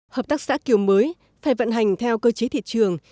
hợp tác xã kiểu mới phải vận hành theo cơ chế thị trường